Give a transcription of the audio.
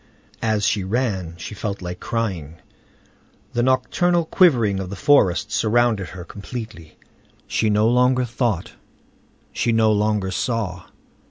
As she ran she felt like crying. The nocturnal quivering of the forest surrounded her completely. She no longer thought, she no longer saw.